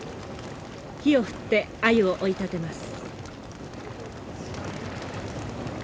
火を振ってアユを追い立てます。